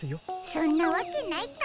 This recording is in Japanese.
そんなわけないか。